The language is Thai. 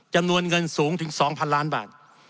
จำนวนเงินสูงถึง๒๐๐ล้านบาท